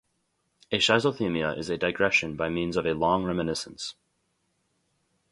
A "schizothemia" is a digression by means of a long reminiscence.